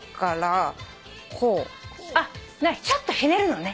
ちょっとひねるのね。